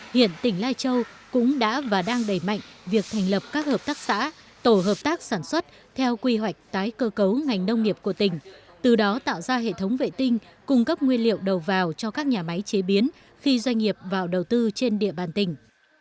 hiện tỉnh lai châu cũng đã và đang đẩy mạnh việc thành lập các hợp tác xã tổ hợp tác sản xuất theo quy hoạch tái cơ cấu ngành nông nghiệp của tỉnh từ đó tạo ra hệ thống vệ tinh cung cấp nguyên liệu đầu vào cho các nhà máy chế biến khi doanh nghiệp vào đầu tư trên địa bàn tỉnh